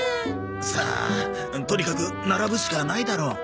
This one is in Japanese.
さあとにかく並ぶしかないだろう。